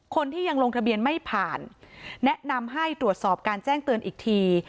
คนที่ยังลงทะเบียนไม่ผ่านแนะนำให้ตรวจสอบการแจ้งเตือนอีกที